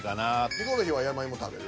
ヒコロヒーは山芋食べる？